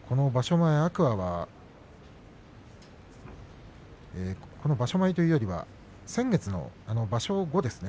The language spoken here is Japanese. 前天空海は場所前というよりは先月の場所後ですね